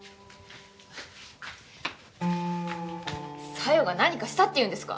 沙代が何かしたって言うんですか！？